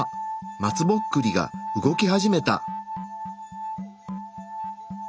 松ぼっくりが動き始めた。